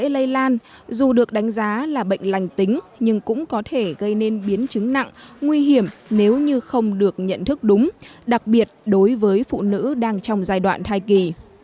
lây lan dù được đánh giá là bệnh lành tính nhưng cũng có thể gây nên biến chứng nặng nguy hiểm nếu như không được nhận thức đúng đặc biệt đối với phụ nữ đang trong giai đoạn thai kỳ